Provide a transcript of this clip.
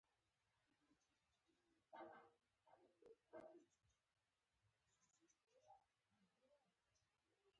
قاتل خپله سزا وګوري.